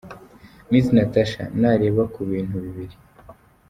Miss Natacha : Nareba ku bintu bibiri.